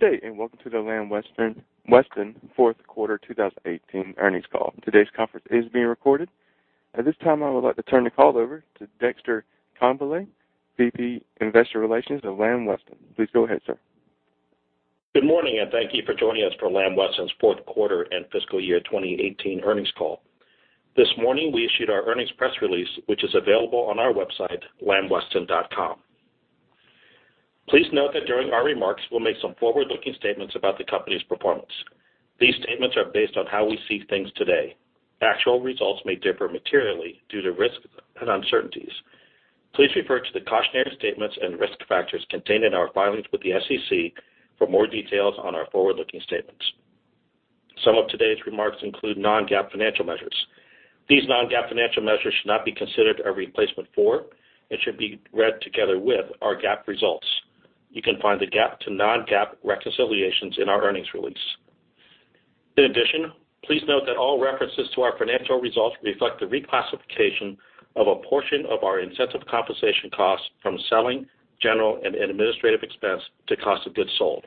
Good day, welcome to the Lamb Weston fourth quarter 2018 earnings call. Today's conference is being recorded. At this time, I would like to turn the call over to Dexter Congbalay, VP investor relations of Lamb Weston. Please go ahead, sir. Good morning, thank you for joining us for Lamb Weston's fourth quarter and fiscal year 2018 earnings call. This morning, we issued our earnings press release, which is available on our website, lambweston.com. Please note that during our remarks, we'll make some forward-looking statements about the company's performance. These statements are based on how we see things today. Actual results may differ materially due to risks and uncertainties. Please refer to the cautionary statements and risk factors contained in our filings with the SEC for more details on our forward-looking statements. Some of today's remarks include non-GAAP financial measures. These non-GAAP financial measures should not be considered a replacement for and should be read together with our GAAP results. You can find the GAAP to non-GAAP reconciliations in our earnings release. Please note that all references to our financial results reflect the reclassification of a portion of our incentive compensation costs from selling, general, and administrative expense to cost of goods sold.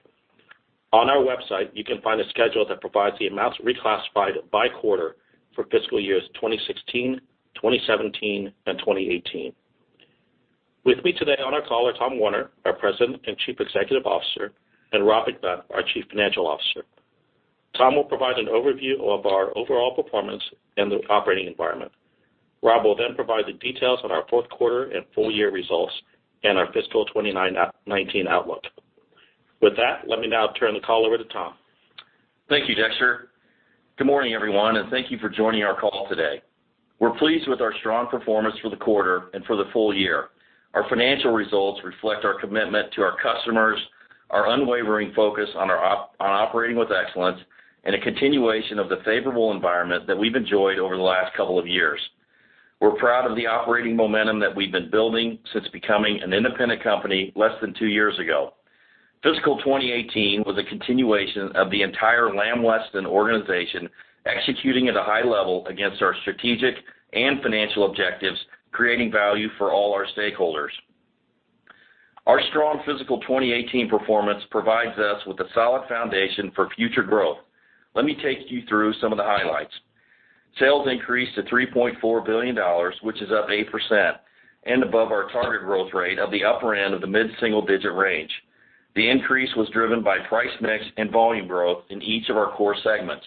On our website, you can find a schedule that provides the amounts reclassified by quarter for fiscal years 2016, 2017, and 2018. With me today on our call are Tom Werner, our President and Chief Executive Officer, and Robert McNutt, our Chief Financial Officer. Tom will provide an overview of our overall performance and the operating environment. Rob will provide the details on our fourth quarter and full year results and our fiscal 2019 outlook. Let me now turn the call over to Tom. Thank you, Dexter. Good morning, everyone, thank you for joining our call today. We're pleased with our strong performance for the quarter and for the full year. Our financial results reflect our commitment to our customers, our unwavering focus on operating with excellence, and a continuation of the favorable environment that we've enjoyed over the last couple of years. We're proud of the operating momentum that we've been building since becoming an independent company less than two years ago. Fiscal 2018 was a continuation of the entire Lamb Weston organization executing at a high level against our strategic and financial objectives, creating value for all our stakeholders. Our strong fiscal 2018 performance provides us with a solid foundation for future growth. Let me take you through some of the highlights. Sales increased to $3.4 billion, which is up 8% and above our target growth rate of the upper end of the mid-single digit range. The increase was driven by price mix and volume growth in each of our core segments.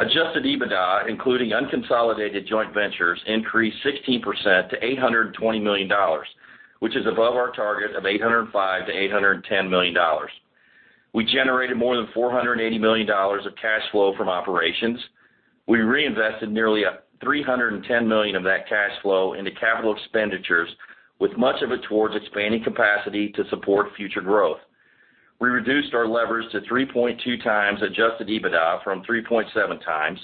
Adjusted EBITDA, including unconsolidated joint ventures, increased 16% to $820 million, which is above our target of $805-$810 million. We generated more than $480 million of cash flow from operations. We reinvested nearly $310 million of that cash flow into capital expenditures, with much of it towards expanding capacity to support future growth. We reduced our leverage to 3.2 times adjusted EBITDA from 3.7 times.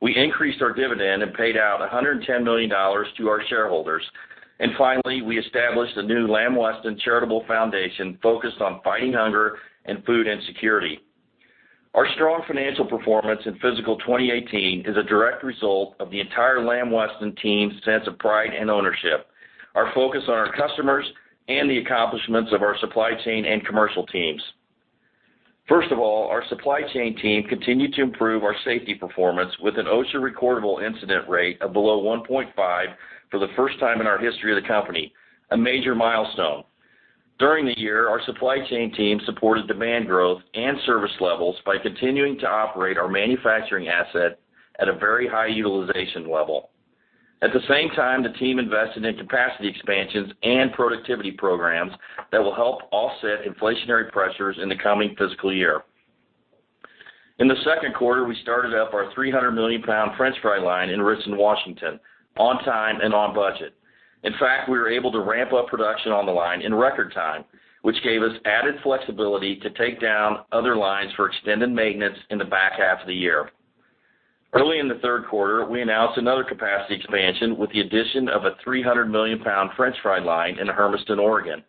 We increased our dividend and paid out $110 million to our shareholders. Finally, we established a new Lamb Weston Charitable Foundation focused on fighting hunger and food insecurity. Our strong financial performance in fiscal 2018 is a direct result of the entire Lamb Weston team's sense of pride and ownership, our focus on our customers, and the accomplishments of our supply chain and commercial teams. First of all, our supply chain team continued to improve our safety performance with an OSHA recordable incident rate of below 1.5 for the first time in our history of the company, a major milestone. During the year, our supply chain team supported demand growth and service levels by continuing to operate our manufacturing asset at a very high utilization level. At the same time, the team invested in capacity expansions and productivity programs that will help offset inflationary pressures in the coming fiscal year. In the second quarter, we started up our 300 million pound french fry line in Richland, Washington on time and on budget. In fact, we were able to ramp up production on the line in record time, which gave us added flexibility to take down other lines for extended maintenance in the back half of the year. Early in the third quarter, we announced another capacity expansion with the addition of a 300 million pound french fry line in Hermiston, Oregon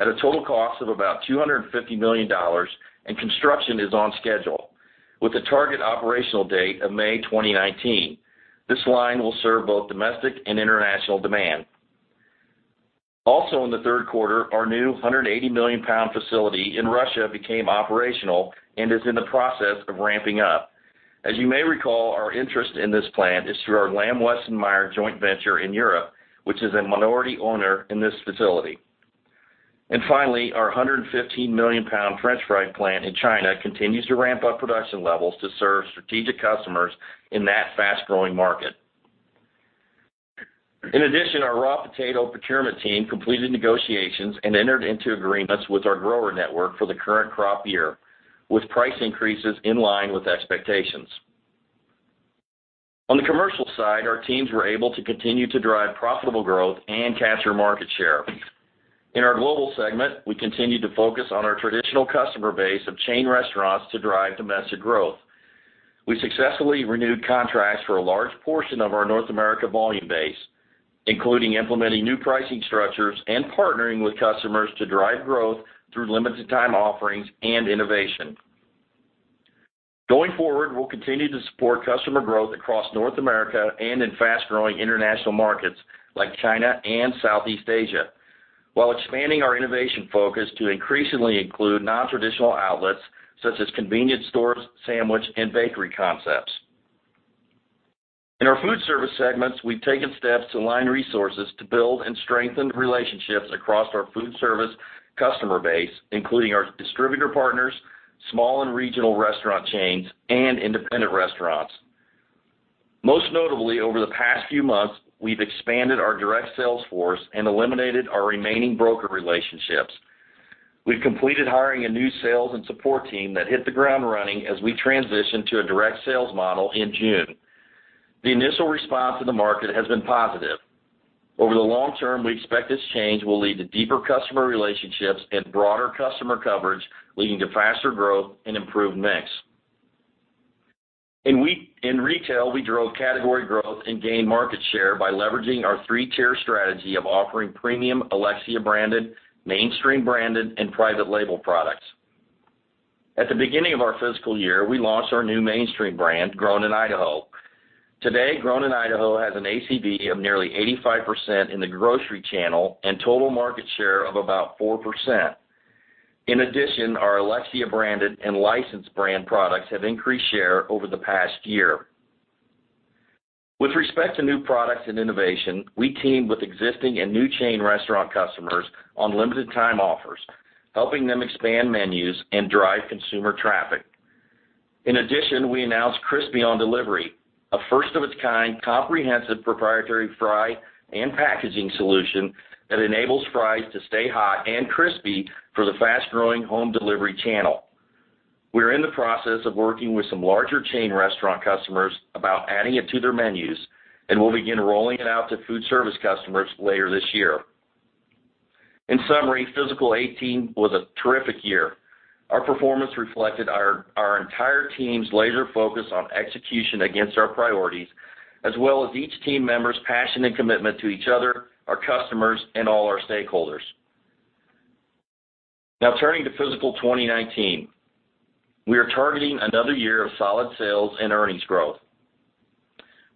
at a total cost of about $250 million and construction is on schedule with a target operational date of May 2019. This line will serve both domestic and international demand. Also in the third quarter, our new 180 million pound facility in Russia became operational and is in the process of ramping up. As you may recall, our interest in this plant is through our Lamb Weston/Meijer joint venture in Europe, which is a minority owner in this facility. Finally, our 115 million pound french fry plant in China continues to ramp up production levels to serve strategic customers in that fast-growing market. In addition, our raw potato procurement team completed negotiations and entered into agreements with our grower network for the current crop year with price increases in line with expectations. On the commercial side, our teams were able to continue to drive profitable growth and capture market share. In our global segment, we continued to focus on our traditional customer base of chain restaurants to drive domestic growth. We successfully renewed contracts for a large portion of our North America volume base, including implementing new pricing structures and partnering with customers to drive growth through limited time offerings and innovation. Going forward, we'll continue to support customer growth across North America and in fast-growing international markets like China and Southeast Asia, while expanding our innovation focus to increasingly include non-traditional outlets such as convenience stores, sandwich, and bakery concepts. In our food service segments, we've taken steps to align resources to build and strengthen relationships across our food service customer base, including our distributor partners, small and regional restaurant chains, and independent restaurants. Most notably, over the past few months, we've expanded our direct sales force and eliminated our remaining broker relationships. We've completed hiring a new sales and support team that hit the ground running as we transitioned to a direct sales model in June. The initial response of the market has been positive. Over the long term, we expect this change will lead to deeper customer relationships and broader customer coverage, leading to faster growth and improved mix. In retail, we drove category growth and gained market share by leveraging our three-tier strategy of offering premium Alexia branded, Mainstream branded, and private label products. At the beginning of our fiscal year, we launched our new Mainstream brand, Grown in Idaho. Today, Grown in Idaho has an ACV of nearly 85% in the grocery channel and total market share of about 4%. In addition, our Alexia branded and licensed brand products have increased share over the past year. With respect to new products and innovation, we teamed with existing and new chain restaurant customers on limited time offers, helping them expand menus and drive consumer traffic. In addition, we announced Crispy on Delivery, a first of its kind comprehensive proprietary fry and packaging solution that enables fries to stay hot and crispy for the fast-growing home delivery channel. We're in the process of working with some larger chain restaurant customers about adding it to their menus, and we'll begin rolling it out to food service customers later this year. In summary, fiscal 2018 was a terrific year. Our performance reflected our entire team's laser focus on execution against our priorities, as well as each team member's passion and commitment to each other, our customers, and all our stakeholders. Now turning to fiscal 2019, we are targeting another year of solid sales and earnings growth.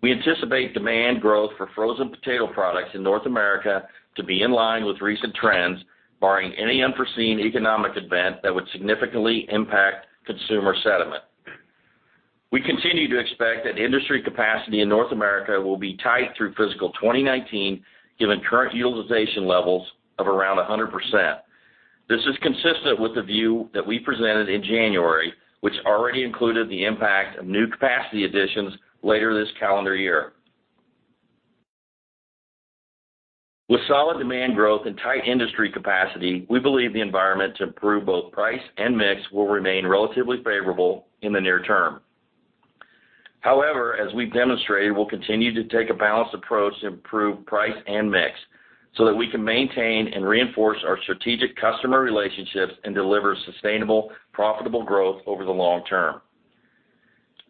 We anticipate demand growth for frozen potato products in North America to be in line with recent trends, barring any unforeseen economic event that would significantly impact consumer sentiment. We continue to expect that industry capacity in North America will be tight through fiscal 2019, given current utilization levels of around 100%. This is consistent with the view that we presented in January, which already included the impact of new capacity additions later this calendar year. With solid demand growth and tight industry capacity, we believe the environment to improve both price and mix will remain relatively favorable in the near term. However, as we've demonstrated, we'll continue to take a balanced approach to improve price and mix so that we can maintain and reinforce our strategic customer relationships and deliver sustainable, profitable growth over the long term.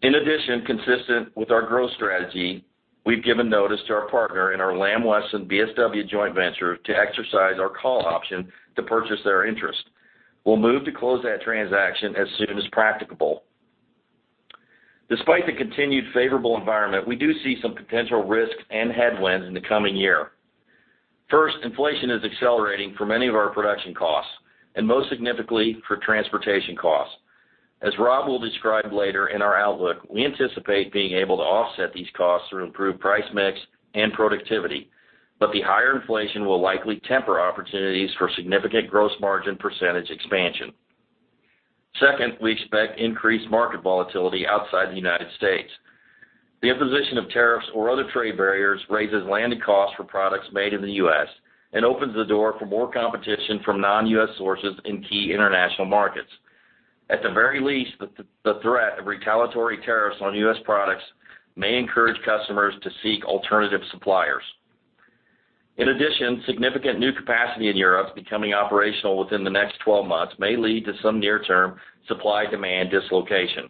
In addition, consistent with our growth strategy, we've given notice to our partner in our Lamb Weston BSW joint venture to exercise our call option to purchase their interest. We'll move to close that transaction as soon as practicable. Despite the continued favorable environment, we do see some potential risks and headwinds in the coming year. First, inflation is accelerating for many of our production costs, and most significantly for transportation costs. As Rob will describe later in our outlook, we anticipate being able to offset these costs through improved price mix and productivity. The higher inflation will likely temper opportunities for significant gross margin percentage expansion. Second, we expect increased market volatility outside the U.S. The imposition of tariffs or other trade barriers raises landing costs for products made in the U.S. and opens the door for more competition from non-U.S. sources in key international markets. At the very least, the threat of retaliatory tariffs on U.S. products may encourage customers to seek alternative suppliers. In addition, significant new capacity in Europe becoming operational within the next 12 months may lead to some near-term supply-demand dislocation.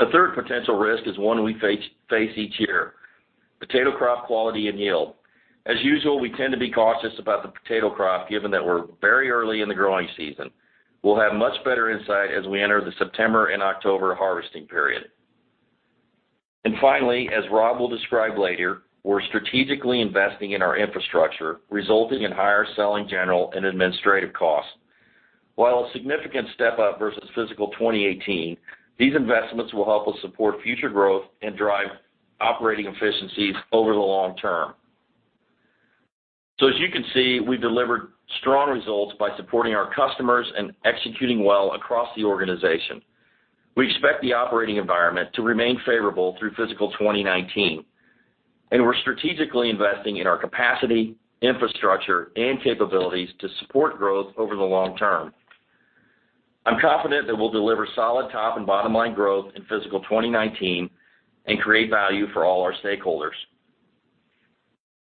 The third potential risk is one we face each year, potato crop quality and yield. As usual, we tend to be cautious about the potato crop, given that we're very early in the growing season. We'll have much better insight as we enter the September and October harvesting period. Finally, as Rob will describe later, we're strategically investing in our infrastructure, resulting in higher SG&A costs. While a significant step up versus FY 2018, these investments will help us support future growth and drive operating efficiencies over the long term. As you can see, we've delivered strong results by supporting our customers and executing well across the organization. We expect the operating environment to remain favorable through FY 2019, and we're strategically investing in our capacity, infrastructure, and capabilities to support growth over the long term. I'm confident that we'll deliver solid top and bottom-line growth in FY 2019 and create value for all our stakeholders.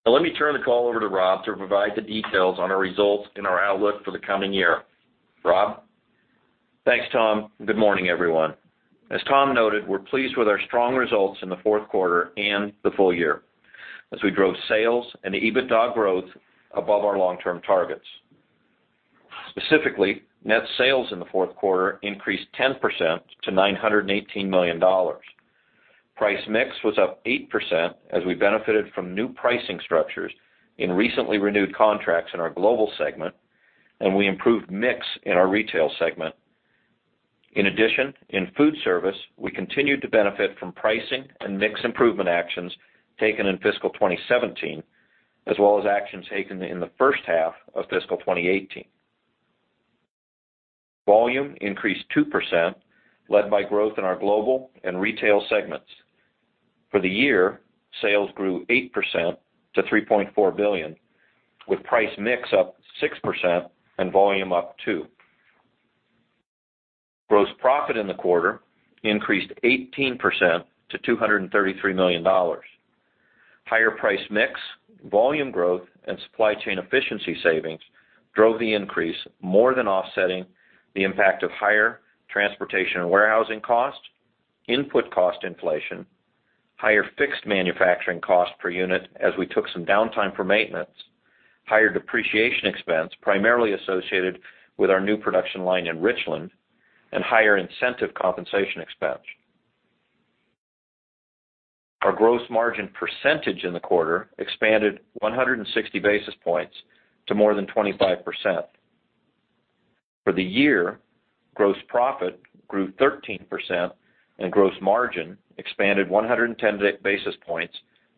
Now let me turn the call over to Rob to provide the details on our results and our outlook for the coming year. Rob? Thanks, Tom. Good morning, everyone. As Tom noted, we're pleased with our strong results in the fourth quarter and the full year as we drove sales and EBITDA growth above our long-term targets. Specifically, net sales in the fourth quarter increased 10% to $918 million. Price mix was up 8% as we benefited from new pricing structures in recently renewed contracts in our global segment, and we improved mix in our retail segment. In addition, in food service, we continued to benefit from pricing and mix improvement actions taken in FY 2017, as well as actions taken in the first half of FY 2018. Volume increased 2%, led by growth in our global and retail segments. For the year, sales grew 8% to $3.4 billion, with price mix up 6% and volume up 2%. Gross profit in the quarter increased 18% to $233 million. Higher price mix, volume growth, and supply chain efficiency savings drove the increase, more than offsetting the impact of higher transportation and warehousing costs, input cost inflation, higher fixed manufacturing cost per unit as we took some downtime for maintenance, higher depreciation expense, primarily associated with our new production line in Richland, and higher incentive compensation expense. Our gross margin percentage in the quarter expanded 160 basis points to more than 25%. For the year, gross profit grew 13%, and gross margin expanded 110 basis points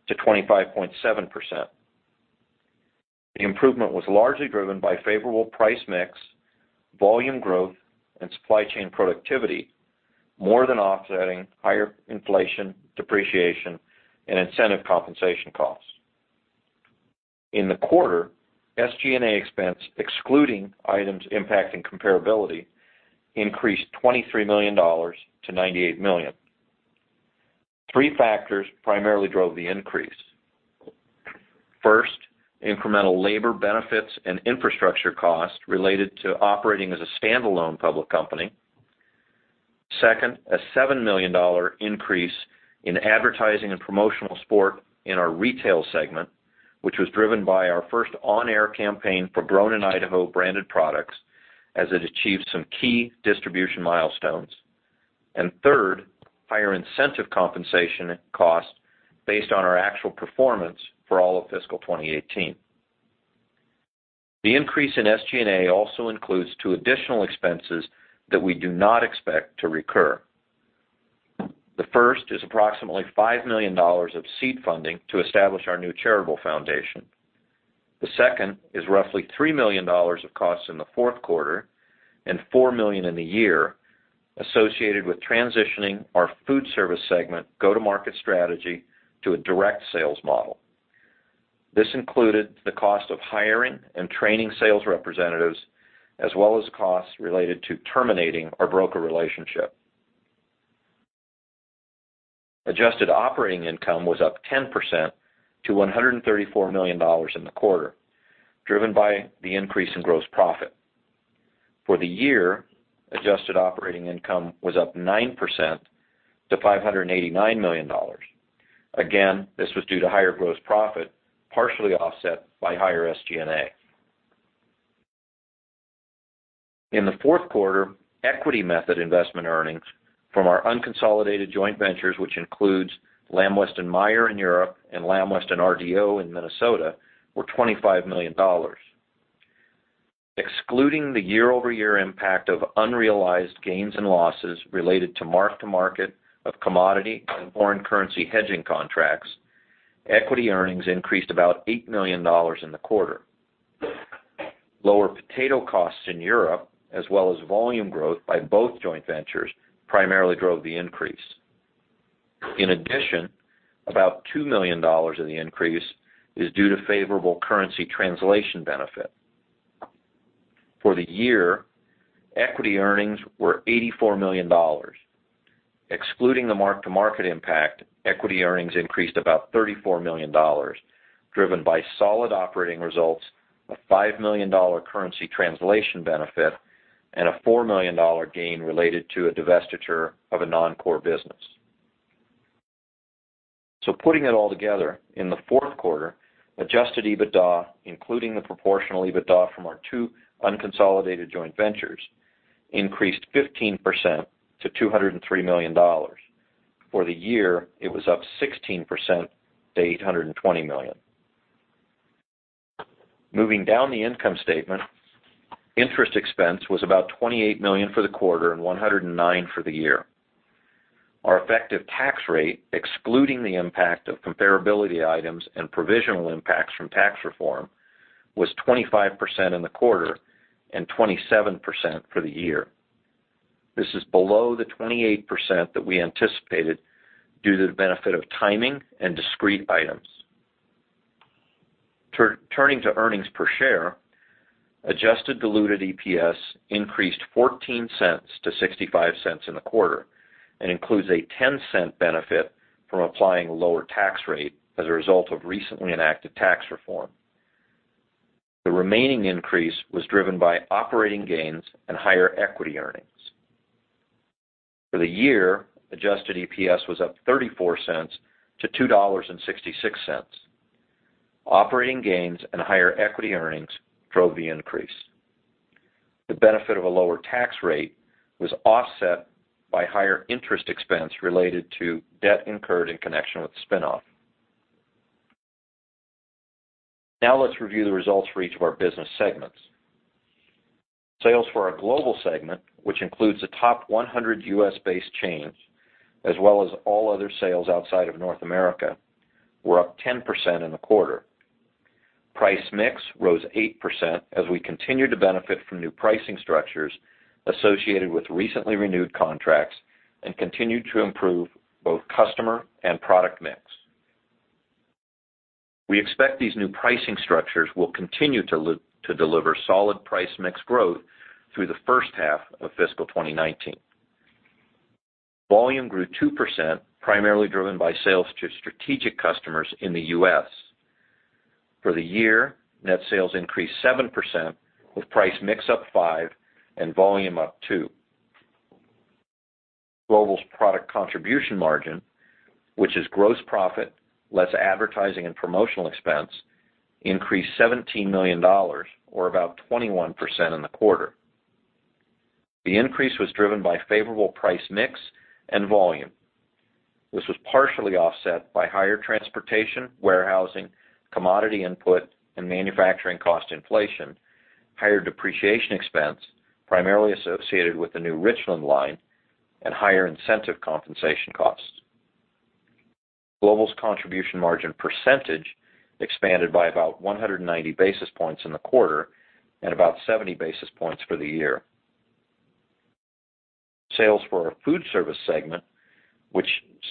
to 25.7%. The improvement was largely driven by favorable price mix, volume growth, and supply chain productivity, more than offsetting higher inflation, depreciation, and incentive compensation costs. In the quarter, SG&A expense, excluding items impacting comparability, increased $23 million to $98 million. Three factors primarily drove the increase. First, incremental labor benefits and infrastructure costs related to operating as a standalone public company. Second, a $7 million increase in advertising and promotional sport in our retail segment, which was driven by our first on-air campaign for Grown in Idaho branded products as it achieved some key distribution milestones. Third, higher incentive compensation cost based on our actual performance for all of fiscal 2018. The increase in SG&A also includes two additional expenses that we do not expect to recur. The first is approximately $5 million of seed funding to establish our new charitable foundation. The second is roughly $3 million of costs in the fourth quarter and $4 million in the year associated with transitioning our food service segment go-to-market strategy to a direct sales model. This included the cost of hiring and training sales representatives, as well as costs related to terminating our broker relationship. Adjusted operating income was up 10% to $134 million in the quarter, driven by the increase in gross profit. For the year, adjusted operating income was up 9% to $589 million. Again, this was due to higher gross profit, partially offset by higher SG&A. In the fourth quarter, equity method investment earnings from our unconsolidated joint ventures, which includes Lamb Weston/Meijer in Europe and Lamb Weston RDO in Minnesota, were $25 million. Excluding the year-over-year impact of unrealized gains and losses related to mark-to-market of commodity and foreign currency hedging contracts, equity earnings increased about $8 million in the quarter. Lower potato costs in Europe, as well as volume growth by both joint ventures, primarily drove the increase. In addition, about $2 million of the increase is due to favorable currency translation benefit. For the year, equity earnings were $84 million. Excluding the mark-to-market impact, equity earnings increased about $34 million, driven by solid operating results, a $5 million currency translation benefit, and a $4 million gain related to a divestiture of a non-core business. Putting it all together, in the fourth quarter, adjusted EBITDA, including the proportional EBITDA from our two unconsolidated joint ventures, increased 15% to $203 million. For the year, it was up 16% to $820 million. Moving down the income statement, interest expense was about $28 million for the quarter and $109 for the year. Our effective tax rate, excluding the impact of comparability items and provisional impacts from tax reform, was 25% in the quarter and 27% for the year. This is below the 28% that we anticipated due to the benefit of timing and discrete items. Turning to earnings per share, adjusted diluted EPS increased $0.14 to $0.65 in the quarter and includes a $0.10 benefit from applying a lower tax rate as a result of recently enacted tax reform. The remaining increase was driven by operating gains and higher equity earnings. For the year, adjusted EPS was up $0.34 to $2.66. Operating gains and higher equity earnings drove the increase. The benefit of a lower tax rate was offset by higher interest expense related to debt incurred in connection with the spin-off. Let's review the results for each of our business segments. Sales for our global segment, which includes the top 100 U.S.-based chains, as well as all other sales outside of North America, were up 10% in the quarter. Price mix rose 8% as we continued to benefit from new pricing structures associated with recently renewed contracts, and continued to improve both customer and product mix. We expect these new pricing structures will continue to deliver solid price mix growth through the first half of fiscal 2019. Volume grew 2%, primarily driven by sales to strategic customers in the U.S. For the year, net sales increased 7%, with price mix up 5% and volume up 2%. Global's product contribution margin, which is gross profit, less advertising and promotional expense, increased $17 million, or about 21% in the quarter. The increase was driven by favorable price mix and volume. This was partially offset by higher transportation, warehousing, commodity input, and manufacturing cost inflation, higher depreciation expense, primarily associated with the new Richland line, and higher incentive compensation costs. Global's contribution margin percentage expanded by about 190 basis points in the quarter and about 70 basis points for the year. Sales for our food service segment, which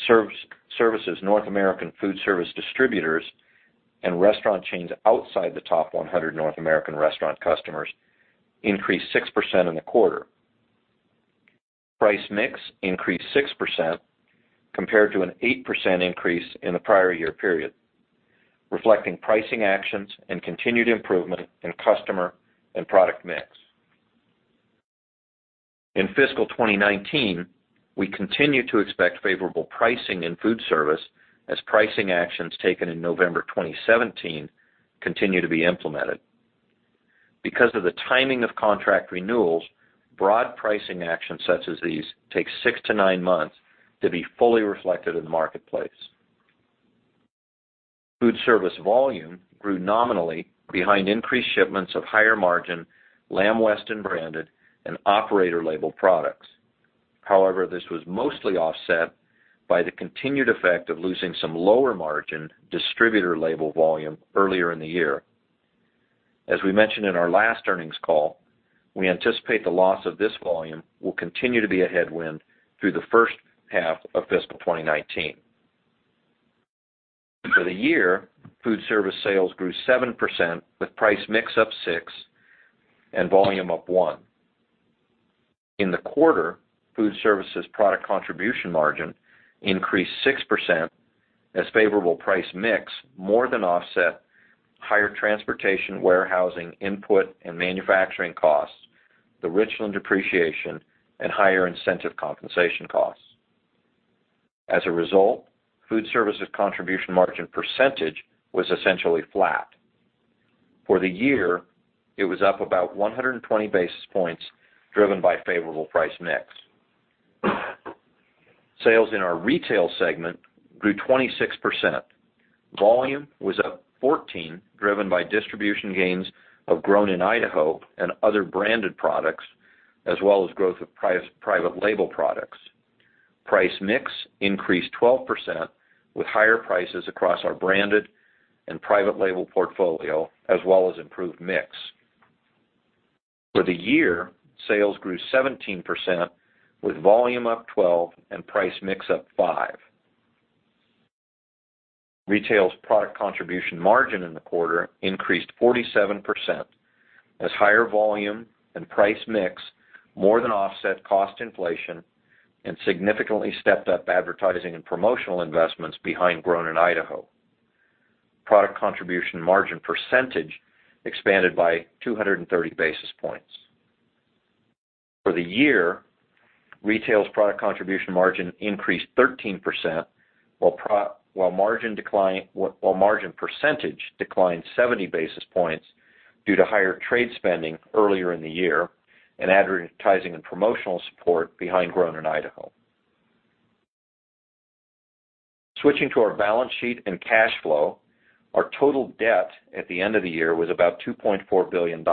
services North American food service distributors and restaurant chains outside the top 100 North American restaurant customers, increased 6% in the quarter. Price mix increased 6%, compared to an 8% increase in the prior year period, reflecting pricing actions and continued improvement in customer and product mix. In fiscal 2019, we continue to expect favorable pricing in food service as pricing actions taken in November 2017 continue to be implemented. Because of the timing of contract renewals, broad pricing actions such as these take 6-9 months to be fully reflected in the marketplace. Food service volume grew nominally behind increased shipments of higher margin Lamb Weston branded and operator label products. However, this was mostly offset by the continued effect of losing some lower margin distributor label volume earlier in the year. As we mentioned in our last earnings call, we anticipate the loss of this volume will continue to be a headwind through the first half of fiscal 2019. For the year, food service sales grew 7%, with price mix up 6% and volume up 1%. In the quarter, food services product contribution margin increased 6%, as favorable price mix more than offset higher transportation, warehousing, input, and manufacturing costs, the Richland depreciation, and higher incentive compensation costs. As a result, food services contribution margin percentage was essentially flat. For the year, it was up about 120 basis points, driven by favorable price mix. Sales in our retail segment grew 26%. Volume was up 14%, driven by distribution gains of Grown in Idaho and other branded products, as well as growth of private label products. Price mix increased 12%, with higher prices across our branded and private label portfolio, as well as improved mix. For the year, sales grew 17%, with volume up 12% and price mix up 5%. Retail's product contribution margin in the quarter increased 47%, as higher volume and price mix more than offset cost inflation and significantly stepped up advertising and promotional investments behind Grown in Idaho. Product contribution margin percentage expanded by 230 basis points. For the year, retail's product contribution margin increased 13%, while margin percentage declined 70 basis points due to higher trade spending earlier in the year and advertising and promotional support behind Grown in Idaho. Switching to our balance sheet and cash flow, our total debt at the end of the year was about $2.4 billion.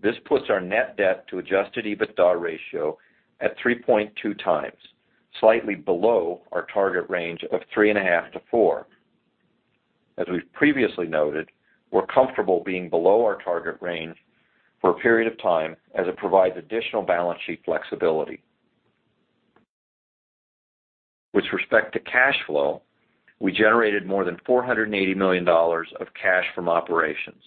This puts our net debt to adjusted EBITDA ratio at 3.2x, slightly below our target range of 3.5-4. As we've previously noted, we're comfortable being below our target range for a period of time, as it provides additional balance sheet flexibility. With respect to cash flow, we generated more than $480 million of cash from operations.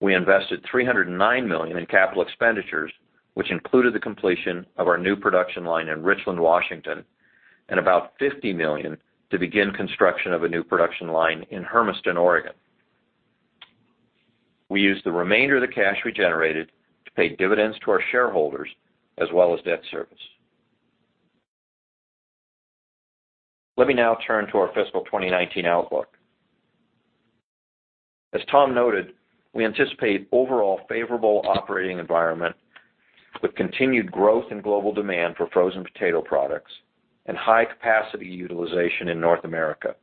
We invested $309 million in capital expenditures, which included the completion of our new production line in Richland, Washington, and about $50 million to begin construction of a new production line in Hermiston, Oregon. We use the remainder of the cash we generated to pay dividends to our shareholders, as well as debt service. Let me now turn to our fiscal 2019 outlook. As Tom noted, we anticipate overall favorable operating environment with continued growth in global demand for frozen potato products and high capacity utilization in North America.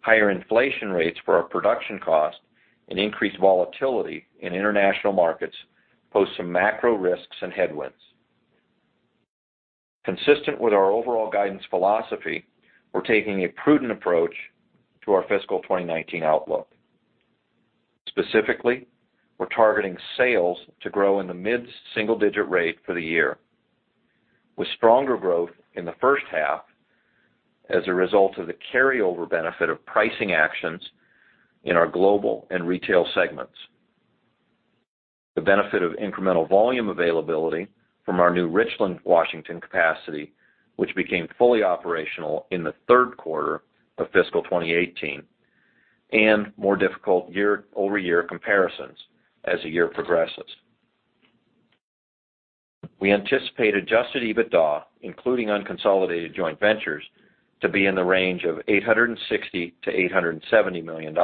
Higher inflation rates for our production cost and increased volatility in international markets pose some macro risks and headwinds. Consistent with our overall guidance philosophy, we're taking a prudent approach to our fiscal 2019 outlook. Specifically, we're targeting sales to grow in the mid-single digit rate for the year, with stronger growth in the first half as a result of the carryover benefit of pricing actions in our global and retail segments, the benefit of incremental volume availability from our new Richland, Washington capacity, which became fully operational in the third quarter of fiscal 2018, and more difficult year-over-year comparisons as the year progresses. We anticipate adjusted EBITDA, including unconsolidated joint ventures, to be in the range of $860 million-$870 million.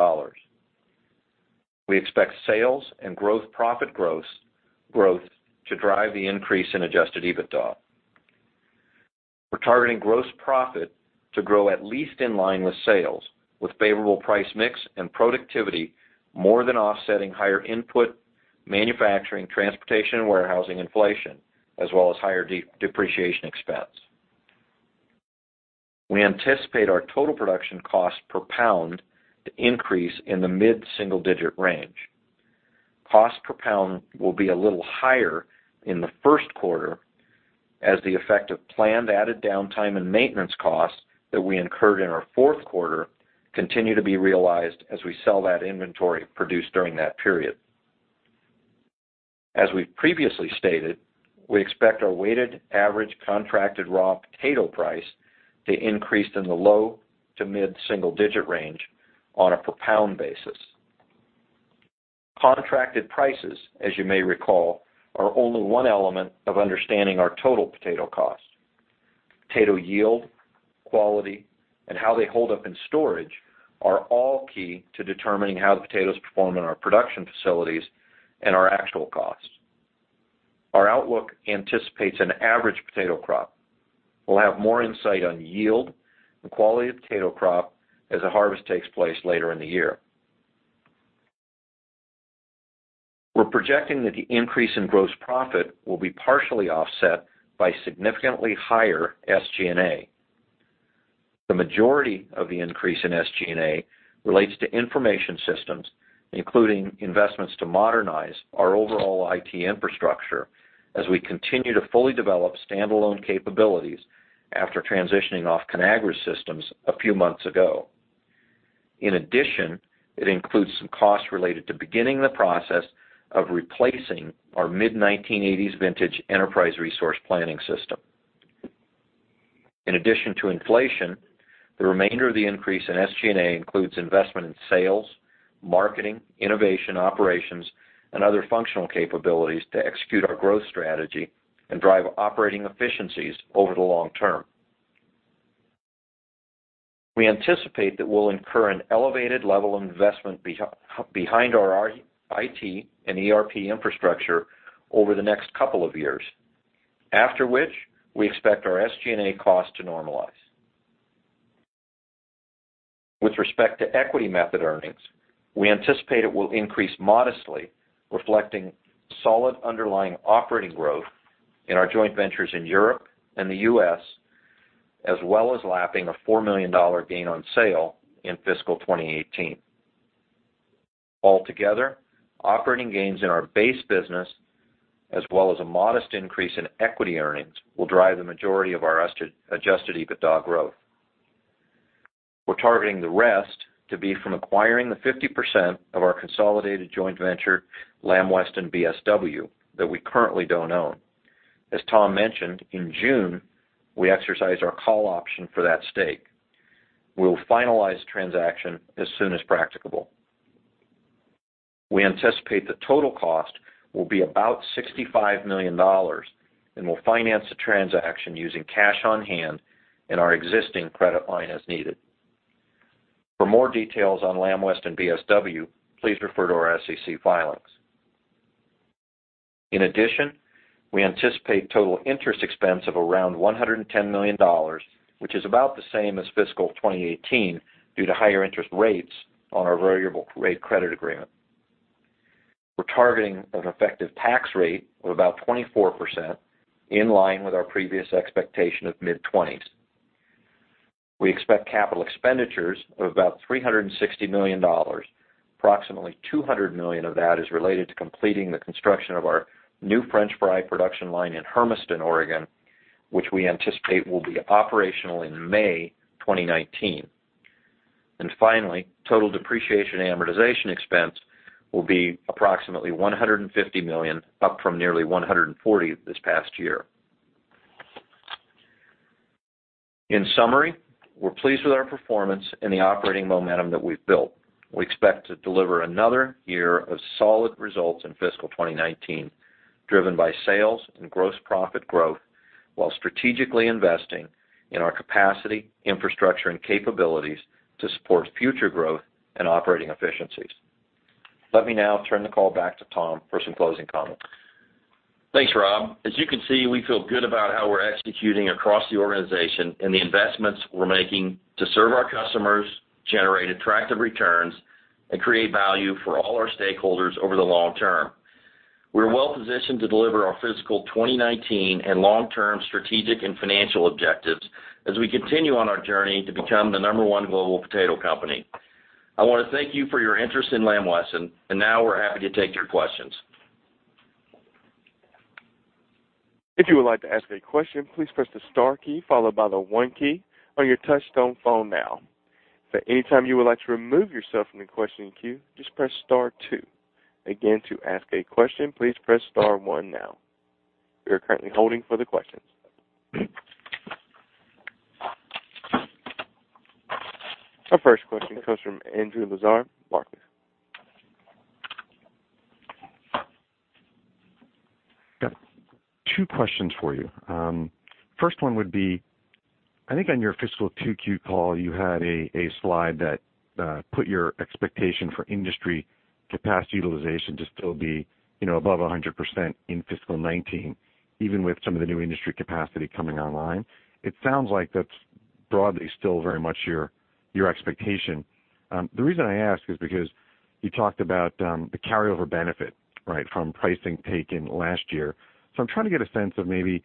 We expect sales and growth profit growth to drive the increase in adjusted EBITDA. We're targeting gross profit to grow at least in line with sales, with favorable price mix and productivity more than offsetting higher input, manufacturing, transportation, and warehousing inflation, as well as higher depreciation expense. We anticipate our total production cost per pound to increase in the mid-single digit range. Cost per pound will be a little higher in the first quarter as the effect of planned added downtime and maintenance costs that we incurred in our fourth quarter continue to be realized as we sell that inventory produced during that period. As we've previously stated, we expect our weighted average contracted raw potato price to increase in the low to mid-single digit range on a per pound basis. Contracted prices, as you may recall, are only one element of understanding our total potato cost. Potato yield, quality, and how they hold up in storage are all key to determining how the potatoes perform in our production facilities and our actual cost. Our outlook anticipates an average potato crop. We'll have more insight on yield and quality of potato crop as the harvest takes place later in the year. We're projecting that the increase in gross profit will be partially offset by significantly higher SG&A. The majority of the increase in SG&A relates to information systems, including investments to modernize our overall IT infrastructure as we continue to fully develop standalone capabilities after transitioning off Conagra systems a few months ago. In addition, it includes some costs related to beginning the process of replacing our mid-1980s vintage enterprise resource planning system. In addition to inflation, the remainder of the increase in SG&A includes investment in sales, marketing, innovation, operations, and other functional capabilities to execute our growth strategy and drive operating efficiencies over the long term. We anticipate that we'll incur an elevated level of investment behind our IT and ERP infrastructure over the next couple of years, after which we expect our SG&A cost to normalize. With respect to equity method earnings, we anticipate it will increase modestly, reflecting solid underlying operating growth in our joint ventures in Europe and the U.S., as well as lapping a $4 million gain on sale in fiscal 2018. Altogether, operating gains in our base business, as well as a modest increase in equity earnings, will drive the majority of our adjusted EBITDA growth. We're targeting the rest to be from acquiring the 50% of our consolidated joint venture, Lamb Weston BSW, that we currently don't own. As Tom mentioned, in June, we exercised our call option for that stake. We will finalize transaction as soon as practicable. We anticipate the total cost will be about $65 million and will finance the transaction using cash on hand and our existing credit line as needed. For more details on Lamb Weston BSW, please refer to our SEC filings. In addition, we anticipate total interest expense of around $110 million, which is about the same as fiscal 2018 due to higher interest rates on our variable rate credit agreement. We're targeting an effective tax rate of about 24%, in line with our previous expectation of mid-20s. We expect capital expenditures of about $360 million. Approximately $200 million of that is related to completing the construction of our new french fry production line in Hermiston, Oregon, which we anticipate will be operational in May 2019. Finally, total depreciation amortization expense will be approximately $150 million, up from nearly $140 this past year. In summary, we're pleased with our performance and the operating momentum that we've built. We expect to deliver another year of solid results in fiscal 2019, driven by sales and gross profit growth, while strategically investing in our capacity, infrastructure, and capabilities to support future growth and operating efficiencies. Let me now turn the call back to Tom for some closing comments. Thanks, Rob. As you can see, we feel good about how we're executing across the organization and the investments we're making to serve our customers, generate attractive returns, and create value for all our stakeholders over the long term. We're well-positioned to deliver our fiscal 2019 and long-term strategic and financial objectives as we continue on our journey to become the number one global potato company. I want to thank you for your interest in Lamb Weston, and now we're happy to take your questions. If you would like to ask a question, please press the star key followed by the one key on your touchtone phone now. If at any time you would like to remove yourself from the questioning queue, just press star two. Again, to ask a question, please press star one now. We are currently holding for the questions. Our first question comes from Andrew Lazar, Barclays. Got two questions for you. First one would be, I think on your fiscal 2Q call, you had a slide that put your expectation for industry capacity utilization to still be above 100% in fiscal 2019, even with some of the new industry capacity coming online. It sounds like that's broadly still very much your expectation. The reason I ask is because you talked about the carryover benefit from pricing taken last year. I'm trying to get a sense of maybe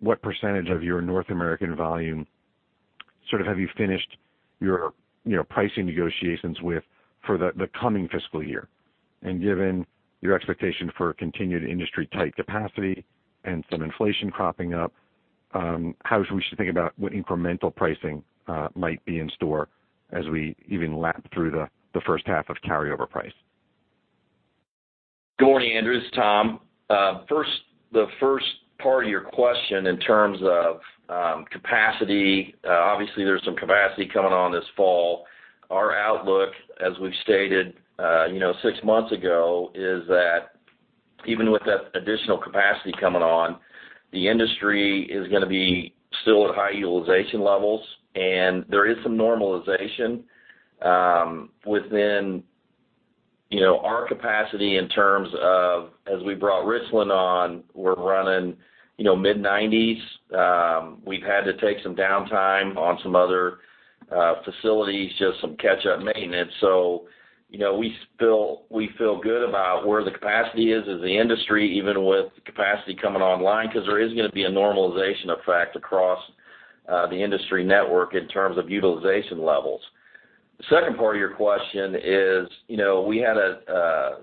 what percentage of your North American volume have you finished your pricing negotiations with for the coming fiscal year? Given your expectation for continued industry-tight capacity and some inflation cropping up, how should we think about what incremental pricing might be in store as we even lap through the first half of carryover price? Good morning, Andrew. It's Tom. The first part of your question in terms of capacity, obviously there's some capacity coming on this fall. Our outlook, as we've stated six months ago, is that even with that additional capacity coming on, the industry is going to be still at high utilization levels. There is some normalization within our capacity in terms of, as we brought Richland on, we're running mid-90s. We've had to take some downtime on some other facilities, just some catch-up maintenance. We feel good about where the capacity is of the industry, even with capacity coming online, because there is going to be a normalization effect across the industry network in terms of utilization levels. The second part of your question is we had a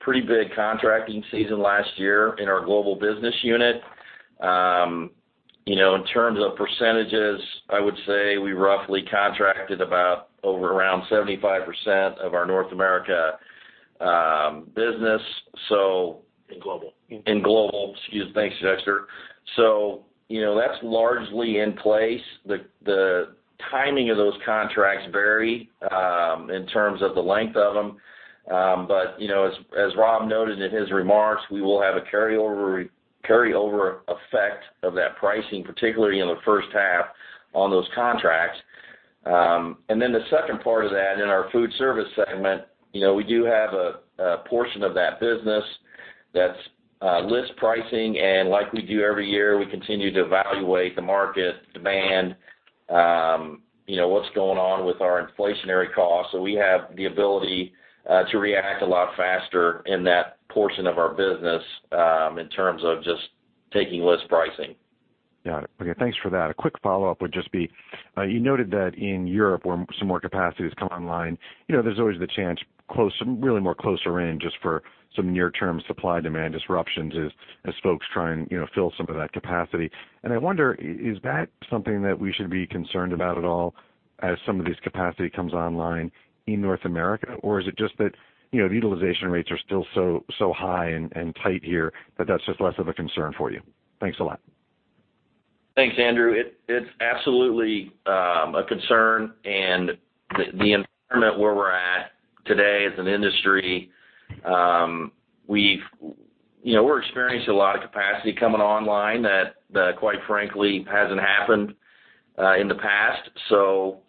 pretty big contracting season last year in our global business unit. In terms of %, I would say we roughly contracted about over around 75% of our North America business. In global. In global. Excuse me. Thanks, Dexter. That's largely in place. The timing of those contracts vary in terms of the length of them. As Rob noted in his remarks, we will have a carryover effect of that pricing, particularly in the first half on those contracts. The second part of that, in our food service segment, we do have a portion of that business that's list pricing. Like we do every year, we continue to evaluate the market demand, what's going on with our inflationary costs. We have the ability to react a lot faster in that portion of our business in terms of just taking list pricing. Got it. Okay, thanks for that. A quick follow-up would just be, you noted that in Europe where some more capacity has come online, there's always the chance close, really more closer in just for some near-term supply-demand disruptions as folks try and fill some of that capacity. I wonder, is that something that we should be concerned about at all as some of this capacity comes online in North America? Or is it just that utilization rates are still so high and tight here that that's just less of a concern for you? Thanks a lot. Thanks, Andrew. It's absolutely a concern and the environment where we're at today as an industry, we're experiencing a lot of capacity coming online that quite frankly hasn't happened in the past.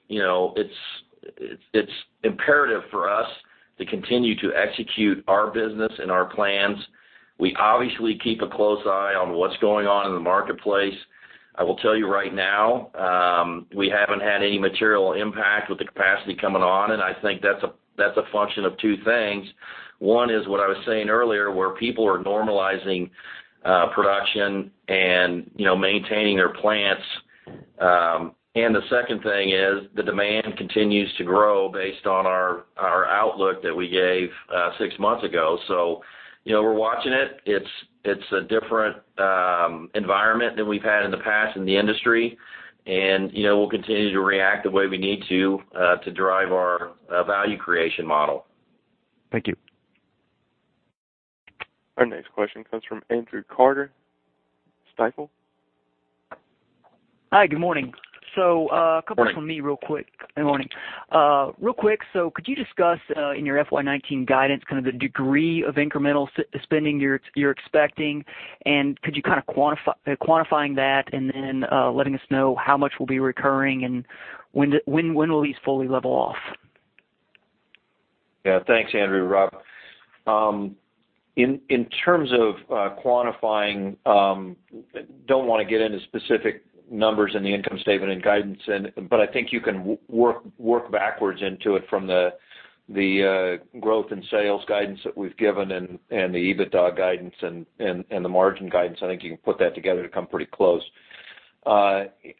It's imperative for us to continue to execute our business and our plans. We obviously keep a close eye on what's going on in the marketplace. I will tell you right now, we haven't had any material impact with the capacity coming on, and I think that's a function of two things. One is what I was saying earlier where people are normalizing production and maintaining their plants. The second thing is the demand continues to grow based on our outlook that we gave six months ago. We're watching it. It's a different environment than we've had in the past in the industry. We'll continue to react the way we need to drive our value creation model. Thank you. Our next question comes from Andrew Carter, Stifel. Hi. Good morning. Morning. Couple things from me real quick. Good morning. Real quick, could you discuss in your FY 2019 guidance the degree of incremental spending you're expecting, and could you quantifying that and then letting us know how much will be recurring and when will these fully level off? Thanks, Andrew. Rob. In terms of quantifying, do not want to get into specific numbers in the income statement and guidance, I think you can work backwards into it from the growth in sales guidance that we've given and the EBITDA guidance and the margin guidance. I think you can put that together to come pretty close.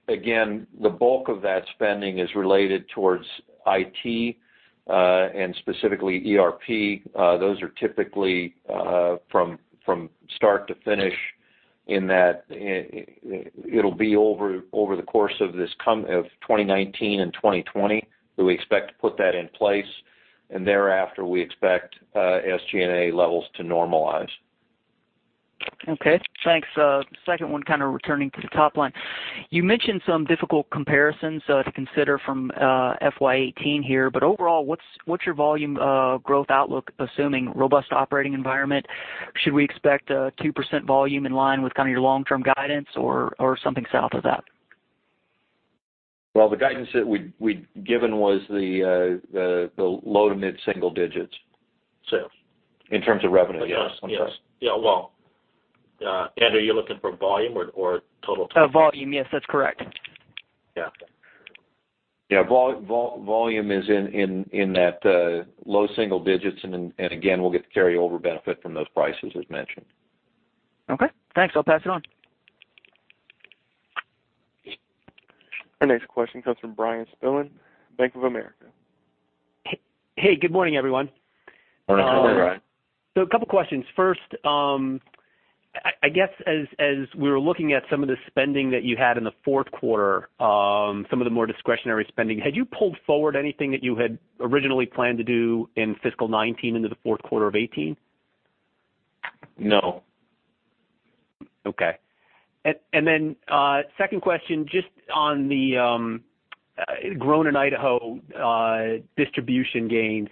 Again, the bulk of that spending is related towards IT, and specifically ERP. Those are typically from start to finish in that it'll be over the course of 2019 and 2020 that we expect to put that in place, and thereafter, we expect SG&A levels to normalize. Thanks. Second one, returning to the top line. You mentioned some difficult comparisons to consider from FY 2018 here, Overall, what's your volume growth outlook, assuming robust operating environment? Should we expect a 2% volume in line with your long-term guidance or something south of that? Well, the guidance that we'd given was the low to mid single digits. Sales. In terms of revenue. Yes. I'm sorry. Yes. Well, Andrew, are you looking for volume or total? Volume. Yes, that's correct. Yeah. Yeah. Volume is in that low single digits, again, we'll get the carryover benefit from those prices as mentioned. Okay. Thanks. I'll pass it on. Our next question comes from Bryan Spillane, Bank of America. Hey, good morning, everyone. Morning, Bryan. A couple questions. First, I guess as we were looking at some of the spending that you had in the fourth quarter, some of the more discretionary spending, had you pulled forward anything that you had originally planned to do in fiscal 2019 into the fourth quarter of 2018? No. Okay. Second question, just on the Grown in Idaho distribution gains,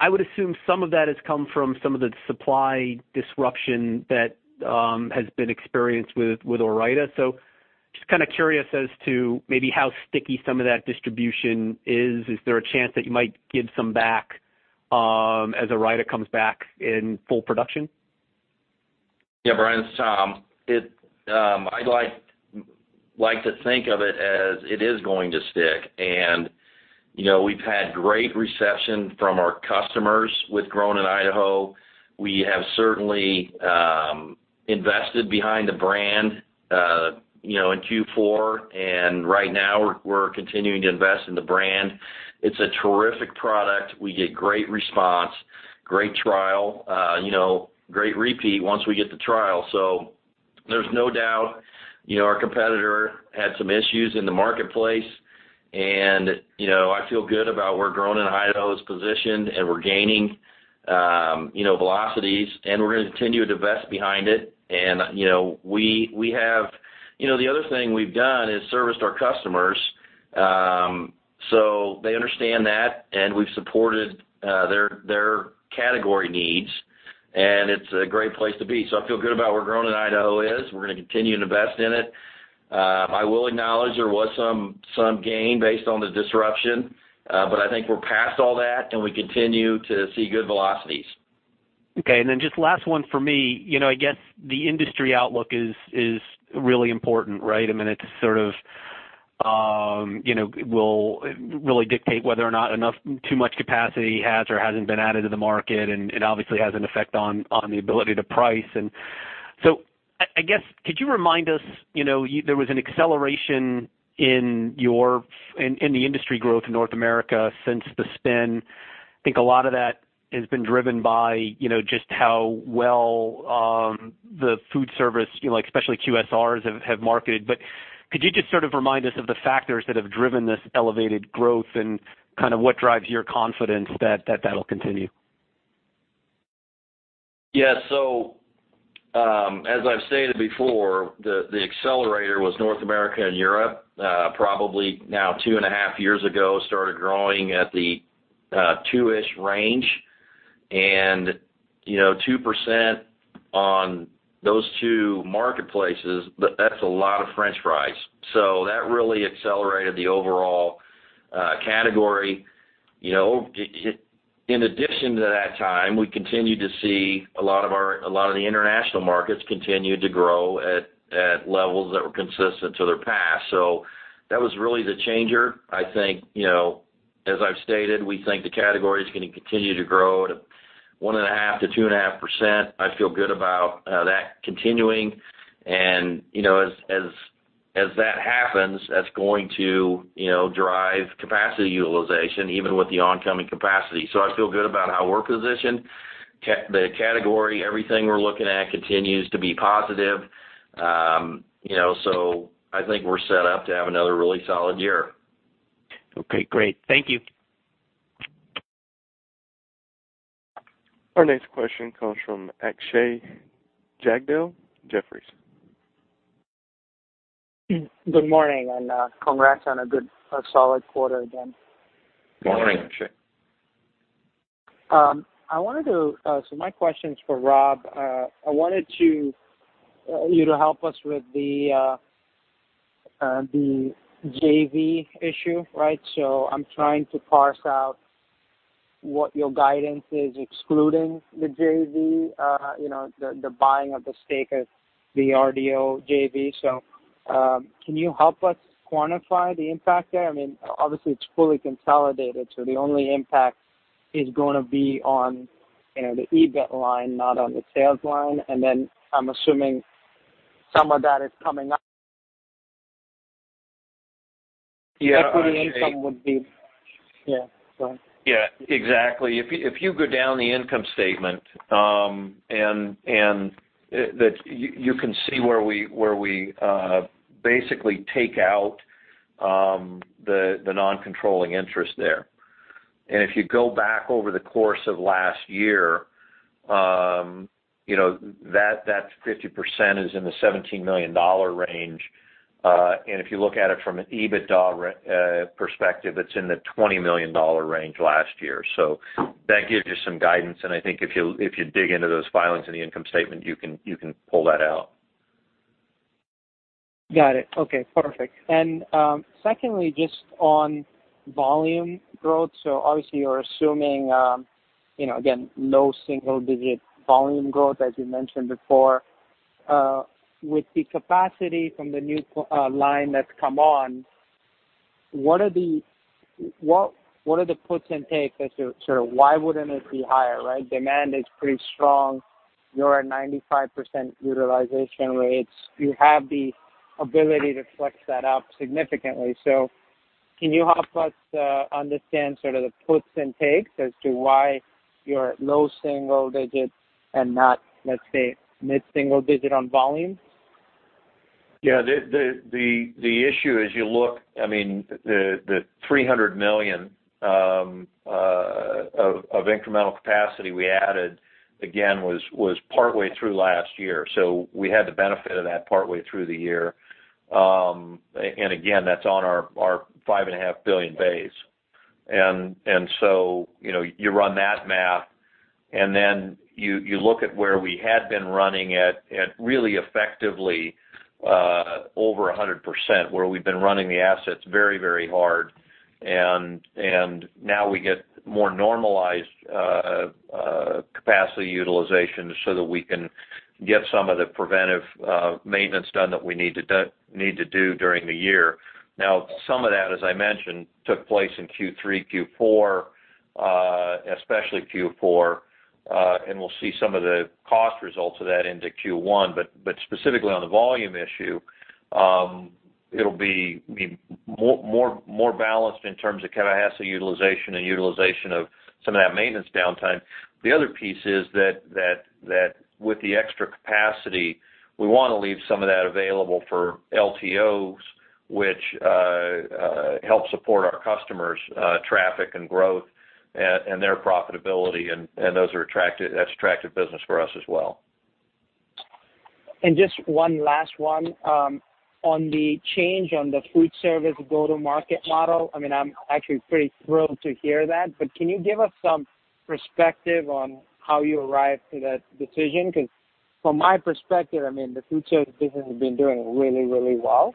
I would assume some of that has come from some of the supply disruption that has been experienced with Ore-Ida. Just kind of curious as to maybe how sticky some of that distribution is. Is there a chance that you might give some back as Ore-Ida comes back in full production? Yeah, Bryan, it's Tom. I'd like to think of it as it is going to stick, and we've had great reception from our customers with Grown in Idaho. We have certainly invested behind the brand, in Q4, and right now we're continuing to invest in the brand. It's a terrific product. We get great response, great trial, great repeat once we get the trial. There's no doubt our competitor had some issues in the marketplace, and I feel good about where Grown in Idaho is positioned, and we're gaining velocities, and we're gonna continue to invest behind it. The other thing we've done is serviced our customers, so they understand that, and we've supported their category needs, and it's a great place to be. I feel good about where Grown in Idaho is. We're gonna continue to invest in it. I will acknowledge there was some gain based on the disruption. I think we're past all that. We continue to see good velocities. Okay. Just last one for me. I guess the industry outlook is really important, right? It will really dictate whether or not too much capacity has or hasn't been added to the market, and it obviously has an effect on the ability to price. I guess, could you remind us, there was an acceleration in the industry growth in North America since the spin. I think a lot of that has been driven by just how well the food service, especially QSRs, have marketed. Could you just sort of remind us of the factors that have driven this elevated growth and kind of what drives your confidence that that'll continue? Yeah. As I've stated before, the accelerator was North America and Europe, probably now two and a half years ago, started growing at the two-ish range. 2% on those two marketplaces, that's a lot of french fries. That really accelerated the overall category. In addition to that time, we continued to see a lot of the international markets continued to grow at levels that were consistent to their past. That was really the changer. I think, as I've stated, we think the category is gonna continue to grow at 1.5%-2.5%. I feel good about that continuing. As that happens, that's going to drive capacity utilization even with the oncoming capacity. I feel good about how we're positioned. The category, everything we're looking at continues to be positive. I think we're set up to have another really solid year. Okay, great. Thank you. Our next question comes from Akshay Jagdale, Jefferies. Good morning, congrats on a good, solid quarter again. Good morning, Akshay. My question's for Rob. I wanted you to help us with the JV issue, right? I'm trying to parse out what your guidance is excluding the JV, the buying of the stake of the RDO JV. Can you help us quantify the impact there? Obviously, it's fully consolidated, so the only impact is going to be on the EBIT line, not on the sales line. I'm assuming some of that is coming up. Yeah. Equity income would be Yeah. Yeah, exactly. If you go down the income statement, you can see where we basically take out the non-controlling interest there. If you go back over the course of last year, that 50% is in the $17 million range. If you look at it from an EBITDA perspective, it's in the $20 million range last year. That gives you some guidance, and I think if you dig into those filings in the income statement, you can pull that out. Got it. Okay, perfect. Secondly, just on volume growth. Obviously you're assuming, again, low single-digit volume growth, as you mentioned before. With the capacity from the new line that's come on, what are the puts and takes as to why wouldn't it be higher, right? Demand is pretty strong. You're at 95% utilization rates. You have the ability to flex that up significantly. Can you help us understand the puts and takes as to why you're at low single-digit and not, let's say, mid-single-digit on volume? Yeah. The $300 million of incremental capacity we added, again, was partway through last year, so we had the benefit of that partway through the year. Again, that's on our $5.5 billion base. You run that math, you look at where we had been running at really effectively over 100%, where we've been running the assets very hard. Now we get more normalized capacity utilization so that we can get some of the preventive maintenance done that we need to do during the year. Now, some of that, as I mentioned, took place in Q3, Q4, especially Q4. We'll see some of the cost results of that into Q1. Specifically on the volume issue, it'll be more balanced in terms of capacity utilization and utilization of some of that maintenance downtime. The other piece is that with the extra capacity, we want to leave some of that available for LTOs, which help support our customers' traffic and growth and their profitability, and that's attractive business for us as well. Just one last one. On the change on the food service go-to-market model, I'm actually pretty thrilled to hear that, can you give us some perspective on how you arrived to that decision? Because from my perspective, the food service business has been doing really well.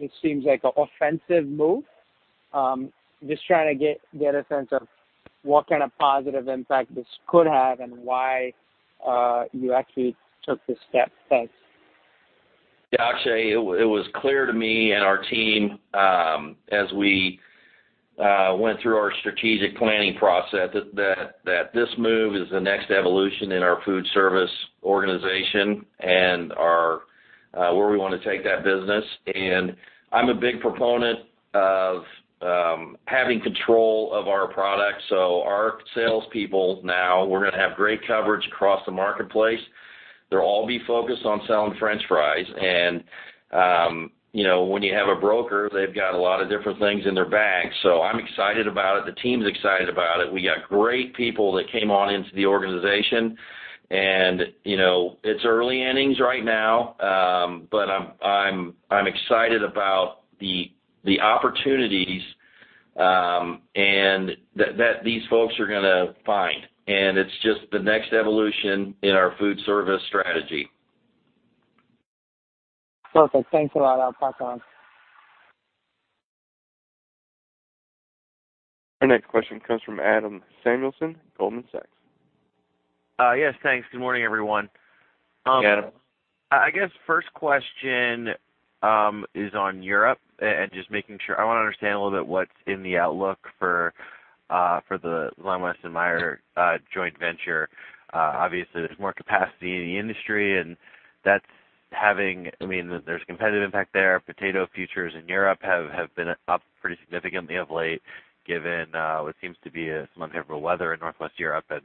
It seems like an offensive move. Just trying to get a sense of what kind of positive impact this could have and why you actually took this step. Thanks. Yeah, Akshay, it was clear to me and our team as we went through our strategic planning process that this move is the next evolution in our food service organization and where we want to take that business. I'm a big proponent of having control of our products. Our salespeople now, we're going to have great coverage across the marketplace. They'll all be focused on selling french fries. When you have a broker, they've got a lot of different things in their bag. I'm excited about it. The team's excited about it. We got great people that came on into the organization. It's early innings right now, but I'm excited about the opportunities that these folks are going to find, and it's just the next evolution in our food service strategy. Perfect. Thanks a lot. I'll pop off. Our next question comes from Adam Samuelson, Goldman Sachs. Yes, thanks. Good morning, everyone. Hi, Adam. I guess first question is on Europe and just making sure. I want to understand a little bit what's in the outlook for the Lamb Weston/Meijer joint venture. Obviously, there's more capacity in the industry, and there's a competitive impact there. Potato futures in Europe have been up pretty significantly of late, given what seems to be some unfavorable weather in Northwest Europe and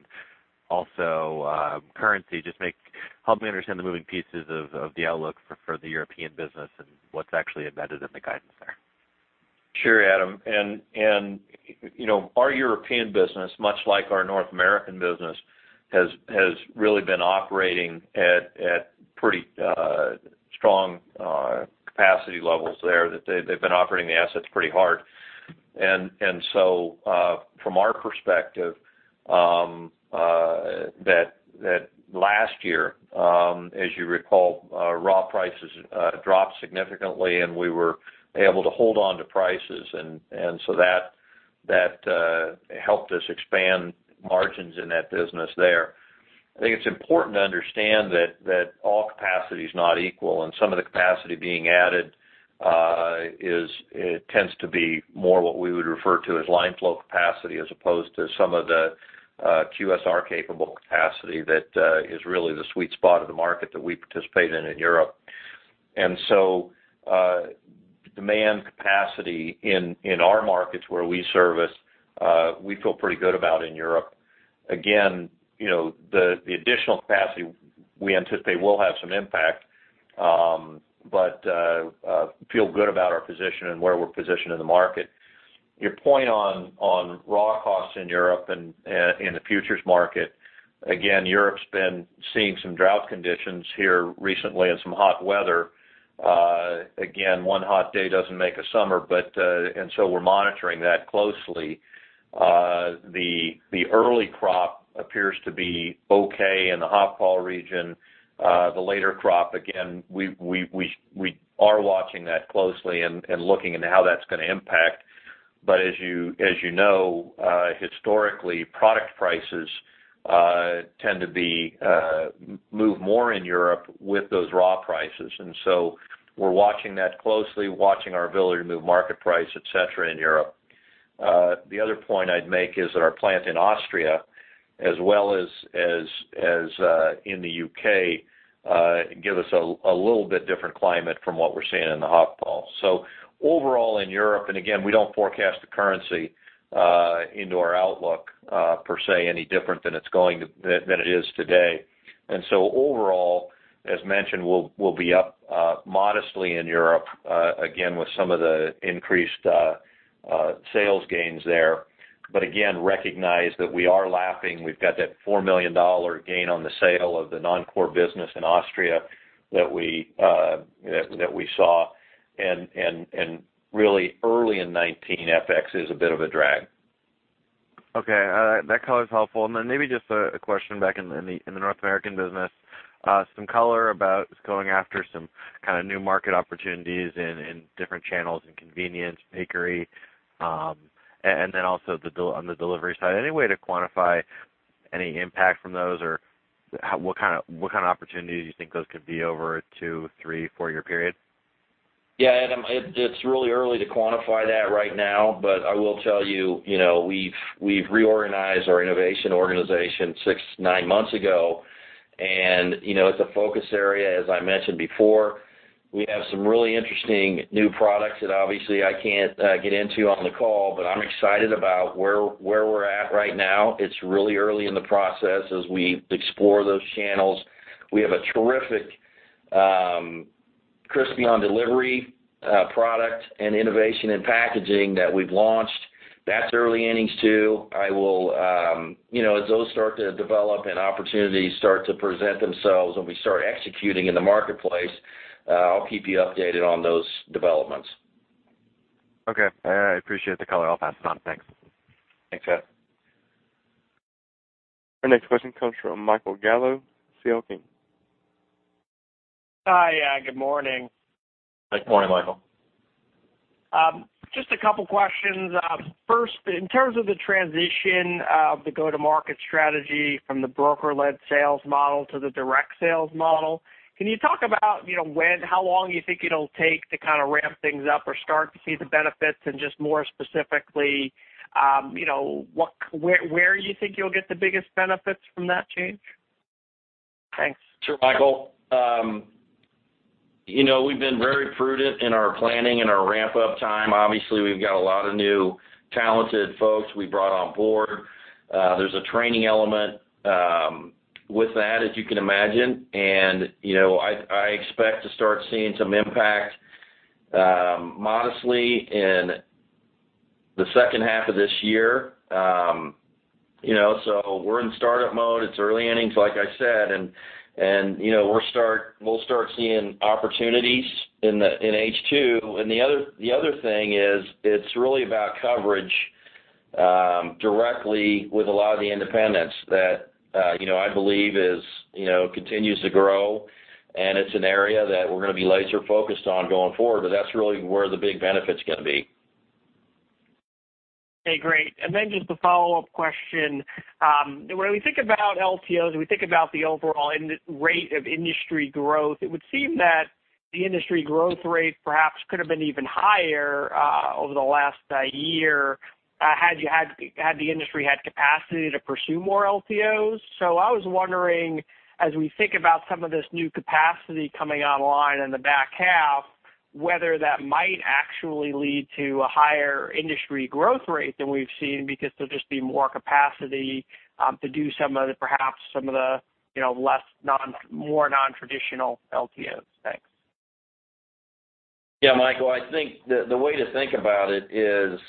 also, currency. Just help me understand the moving pieces of the outlook for the European business and what's actually embedded in the guidance there. Sure, Adam. Our European business, much like our North American business, has really been operating at pretty strong capacity levels there. They've been operating the assets pretty hard. From our perspective, last year, as you recall, raw prices dropped significantly, and we were able to hold onto prices, that helped us expand margins in that business there. I think it's important to understand that all capacity is not equal, and some of the capacity being added tends to be more what we would refer to as line flow capacity as opposed to some of the QSR-capable capacity that is really the sweet spot of the market that we participate in in Europe. Demand capacity in our markets where we service, we feel pretty good about in Europe. The additional capacity we anticipate will have some impact, but feel good about our position and where we're positioned in the market. Your point on raw costs in Europe and in the futures market, Europe's been seeing some drought conditions here recently and some hot weather. One hot day doesn't make a summer, we're monitoring that closely. The early crop appears to be okay in the Umatilla region. The later crop, we are watching that closely and looking into how that's going to impact. As you know historically, product prices tend to move more in Europe with those raw prices. We're watching that closely, watching our ability to move market price, et cetera, in Europe. The other point I'd make is that our plant in Austria, as well as in the U.K., give us a little bit different climate from what we're seeing in the Umatilla. Overall in Europe, we don't forecast the currency into our outlook per se any different than it is today. Overall, as mentioned, we'll be up modestly in Europe, with some of the increased sales gains there. Recognize that we are lapping. We've got that $4 million gain on the sale of the non-core business in Austria that we saw. Really early in 2019, FX is a bit of a drag. Okay. That color's helpful. Maybe just a question back in the North American business. Some color about going after some kind of new market opportunities in different channels in convenience, bakery, also on the delivery side. Any way to quantify any impact from those or what kind of opportunities you think those could be over a two, three, four-year period? Yeah, Adam, it's really early to quantify that right now, but I will tell you, we've reorganized our innovation organization six, nine months ago, and it's a focus area, as I mentioned before. We have some really interesting new products that obviously I can't get into on the call, but I'm excited about where we're at right now. It's really early in the process as we explore those channels. We have a terrific Crispy on Delivery product and innovation in packaging that we've launched. That's early innings, too. As those start to develop and opportunities start to present themselves and we start executing in the marketplace, I'll keep you updated on those developments. Okay. I appreciate the color. I'll pass it on. Thanks. Thanks, Adam. Our next question comes from Michael Gallo, C.L. King. Hi. Good morning. Good morning, Michael. Just a couple of questions. First, in terms of the transition of the go-to-market strategy from the broker-led sales model to the direct sales model, can you talk about how long you think it'll take to kind of ramp things up or start to see the benefits? Just more specifically, where you think you'll get the biggest benefits from that change? Thanks. Sure, Michael. We've been very prudent in our planning and our ramp-up time. Obviously, we've got a lot of new talented folks we brought on board. There's a training element with that, as you can imagine. I expect to start seeing some impact modestly in the second half of this year. We're in startup mode. It's early innings, like I said, and we'll start seeing opportunities in H2. The other thing is it's really about coverage directly with a lot of the independents that I believe continues to grow, and it's an area that we're going to be laser-focused on going forward, but that's really where the big benefit's going to be. Okay, great. Then just a follow-up question. When we think about LTOs, we think about the overall rate of industry growth. It would seem that the industry growth rate perhaps could have been even higher over the last year had the industry had capacity to pursue more LTOs. I was wondering, as we think about some of this new capacity coming online in the back half Whether that might actually lead to a higher industry growth rate than we've seen because there'll just be more capacity to do perhaps some of the more non-traditional LTOs. Thanks. Yeah, Michael, I think the way to think about it is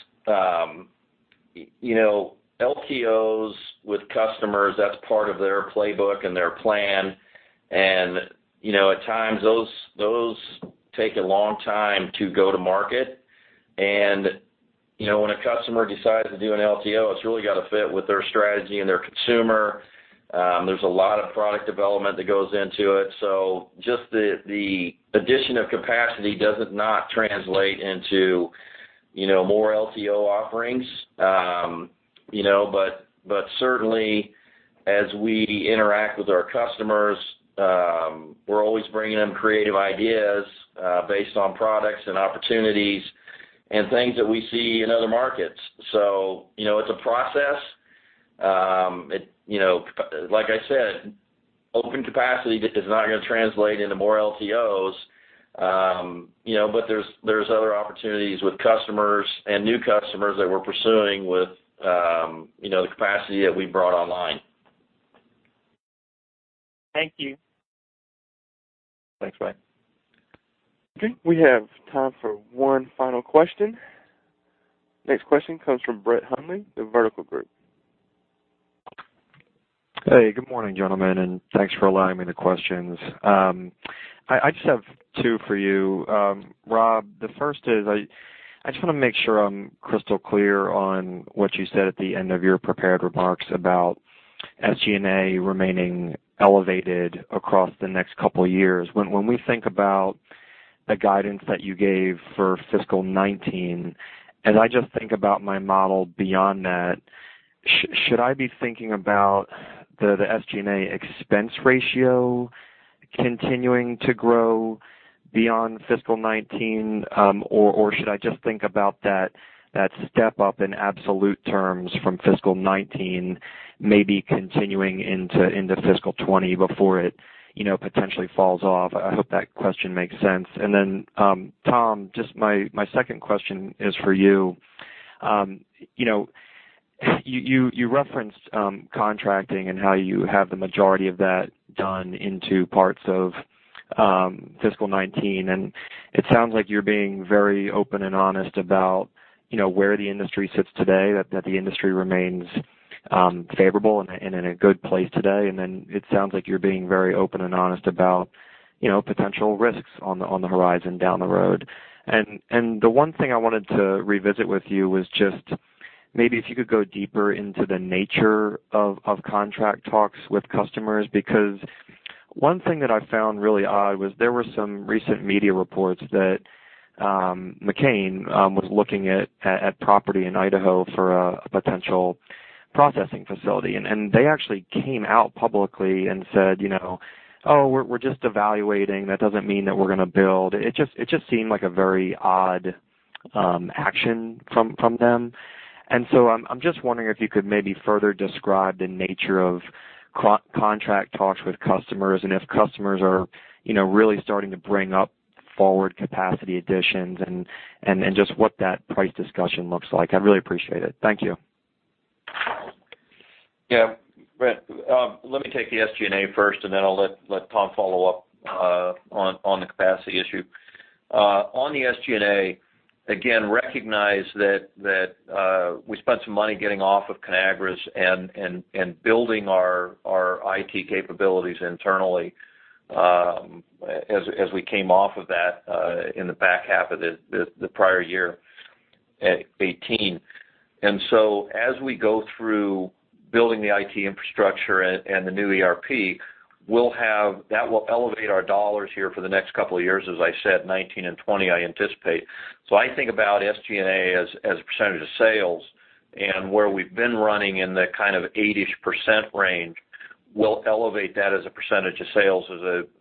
LTOs with customers, that's part of their playbook and their plan. At times, those take a long time to go to market. When a customer decides to do an LTO, it's really got to fit with their strategy and their consumer. There's a lot of product development that goes into it. Just the addition of capacity does not translate into more LTO offerings. Certainly, as we interact with our customers, we're always bringing them creative ideas based on products and opportunities and things that we see in other markets. It's a process. Like I said, open capacity is not going to translate into more LTOs. There's other opportunities with customers and new customers that we're pursuing with the capacity that we brought online. Thank you. Thanks, Mike. Okay, we have time for one final question. Next question comes from Brett Hundley, The Vertical Group. Hey, good morning, gentlemen, and thanks for allowing me the questions. I just have two for you. Rob, the first is, I just want to make sure I'm crystal clear on what you said at the end of your prepared remarks about SG&A remaining elevated across the next couple of years. When we think about the guidance that you gave for fiscal 2019, as I just think about my model beyond that, should I be thinking about the SG&A expense ratio continuing to grow beyond fiscal 2019? Or should I just think about that step up in absolute terms from fiscal 2019 maybe continuing into fiscal 2020 before it potentially falls off? I hope that question makes sense. Then Tom, just my second question is for you. You referenced contracting and how you have the majority of that done into parts of fiscal 2019, and it sounds like you're being very open and honest about where the industry sits today, that the industry remains favorable and in a good place today. Then it sounds like you're being very open and honest about potential risks on the horizon down the road. The one thing I wanted to revisit with you was just maybe if you could go deeper into the nature of contract talks with customers. Because one thing that I found really odd was there were some recent media reports that McCain was looking at property in Idaho for a potential processing facility. They actually came out publicly and said, "Oh, we're just evaluating. That doesn't mean that we're going to build." It just seemed like a very odd action from them. I'm just wondering if you could maybe further describe the nature of contract talks with customers and if customers are really starting to bring up forward capacity additions and what that price discussion looks like. I really appreciate it. Thank you. Yeah. Brett, let me take the SG&A first, and then I'll let Tom follow up on the capacity issue. On the SG&A, again, recognize that we spent some money getting off of Conagra's and building our IT capabilities internally as we came off of that in the back half of the prior year, 2018. As we go through building the IT infrastructure and the new ERP, that will elevate our dollars here for the next couple of years, as I said, 2019 and 2020, I anticipate. I think about SG&A as a percentage of sales and where we've been running in the kind of 80-ish% range. We'll elevate that as a percentage of sales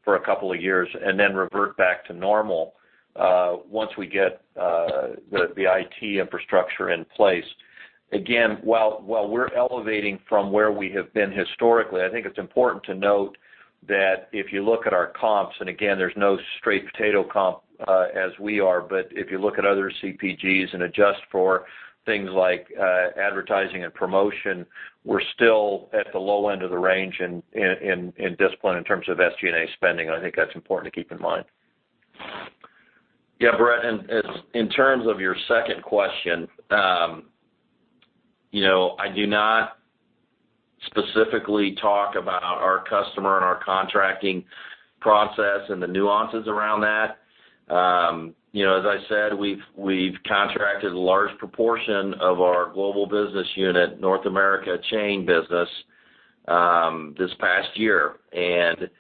for a couple of years and then revert back to normal once we get the IT infrastructure in place. Again, while we're elevating from where we have been historically, I think it's important to note that if you look at our comps, and again, there's no straight potato comp as we are. If you look at other CPGs and adjust for things like advertising and promotion, we're still at the low end of the range in discipline in terms of SG&A spending. I think that's important to keep in mind. Yeah, Brett, in terms of your second question, I do not specifically talk about our customer and our contracting process and the nuances around that. As I said, we've contracted a large proportion of our global business unit, North America chain business this past year. It's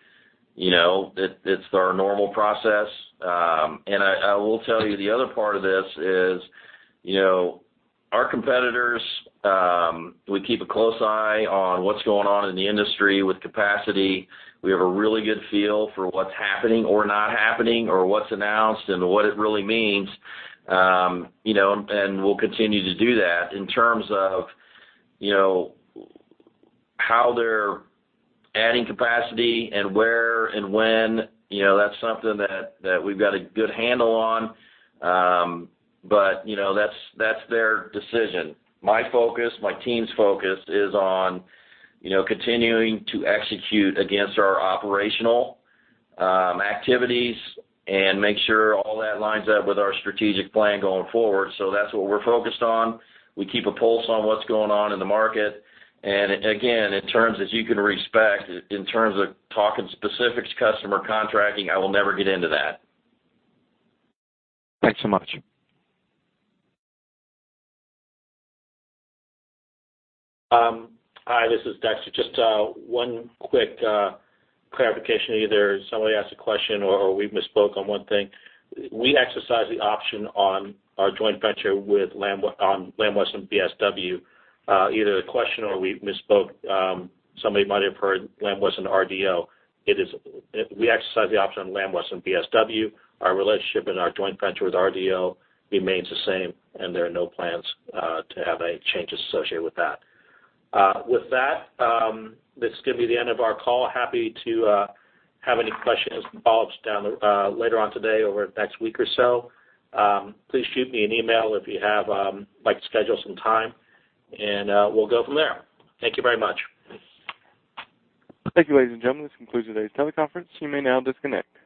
our normal process. I will tell you the other part of this is our competitors, we keep a close eye on what's going on in the industry with capacity. We have a really good feel for what's happening or not happening or what's announced and what it really means. We'll continue to do that. In terms of how they're adding capacity and where and when, that's something that we've got a good handle on. That's their decision. My focus, my team's focus is on continuing to execute against our operational activities and make sure all that lines up with our strategic plan going forward. That's what we're focused on. We keep a pulse on what's going on in the market. Again, in terms as you can respect, in terms of talking specifics customer contracting, I will never get into that. Thanks so much. Hi, this is Dexter. Just one quick clarification. Either somebody asked a question or we misspoke on one thing. We exercise the option on our joint venture on Lamb Weston BSW. Either the question or we misspoke. Somebody might have heard Lamb Weston RDO. We exercise the option on Lamb Weston BSW. Our relationship and our joint venture with RDO remains the same, and there are no plans to have any changes associated with that. With that, this is going to be the end of our call. Happy to have any questions, follow-ups later on today over the next week or so. Please shoot me an email if you'd like to schedule some time. We'll go from there. Thank you very much. Thank you, ladies and gentlemen. This concludes today's teleconference. You may now disconnect.